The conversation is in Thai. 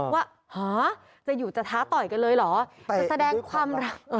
ว่าหาจะหยุดจะท้าต่อยกันเลยเหรอ